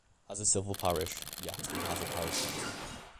As a civil parish, Yaxley has a parish council.